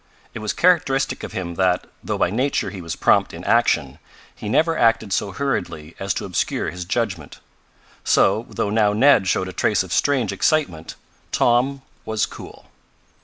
It was characteristic of him that, though by nature he was prompt in action, he never acted so hurriedly as to obscure his judgment. So, though now Ned showed a trace of strange excitement, Tom was cool.